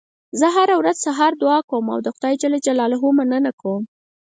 زه هره ورځ د سهار دعا کوم او د خدای ج مننه کوم